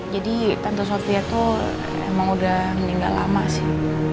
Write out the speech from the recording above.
jadi tante sofia tuh emang udah meninggal lama sih